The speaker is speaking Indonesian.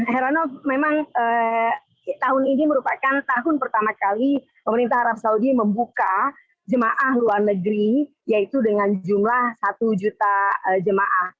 heranov memang tahun ini merupakan tahun pertama kali pemerintah arab saudi membuka jemaah luar negeri yaitu dengan jumlah satu juta jemaah